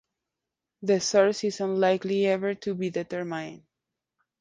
The source is unlikely ever to be determined.